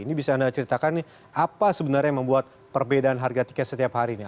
ini bisa anda ceritakan nih apa sebenarnya yang membuat perbedaan harga tiket setiap harinya